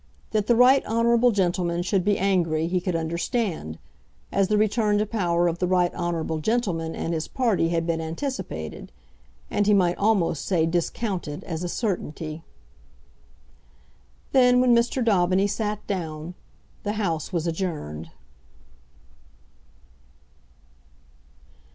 That the right honourable gentleman should be angry he could understand, as the return to power of the right honourable gentleman and his party had been anticipated, and he might almost say discounted as a certainty. Then, when Mr. Daubeny sat down, the House was adjourned.